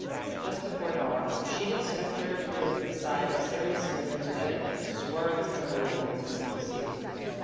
Just before dawn, a sheeted spectre appeared at the side of Sarah Smither's bed, and swore the trembling woman to secrecy.